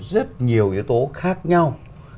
rất nhiều yếu tố khác nhau